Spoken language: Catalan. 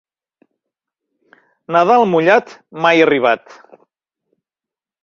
Nadal mullat, mai arribat.